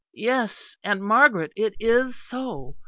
"Yes, Aunt Margaret, it is so.